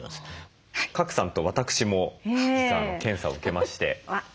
賀来さんと私も実は検査を受けまして。